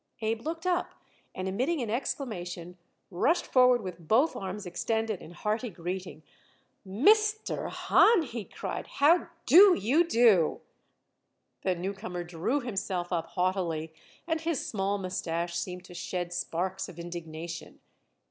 Abe looked up and, emitting an exclamation, rushed forward with both arms extended in hearty greeting. "_Mis_ter Hahn," he cried, "how do you do?" The newcomer drew himself up haughtily, and his small mustache seemed to shed sparks of indignation.